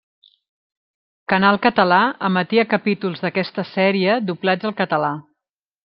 Canal Català emetia capítols d'aquesta sèrie doblats al català.